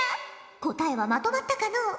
答えはまとまったかのう？